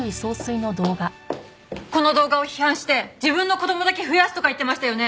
この動画を批判して自分の子供だけ増やすとか言ってましたよね？